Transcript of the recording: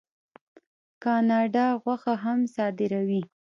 کاناډا غوښه هم صادروي.